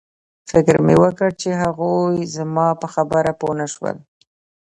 فکر مې وکړ چې هغوی زما په خبره پوه نشول